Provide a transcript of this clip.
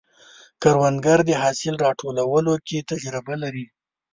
کروندګر د حاصل راټولولو کې تجربه لري